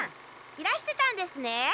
いらしてたんですね。